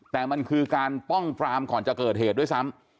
แต่มันคือการป้องปรามก่อนจะเกิดเหตุด้วยซ้ำ